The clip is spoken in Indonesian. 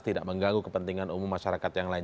tidak mengganggu kepentingan umum masyarakat yang lain